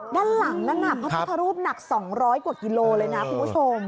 ด้านหลังนั้นพระพุทธรูปหนัก๒๐๐กว่ากิโลเลยนะคุณผู้ชม